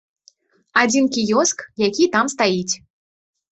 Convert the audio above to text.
Адзін кіёск, які там стаіць.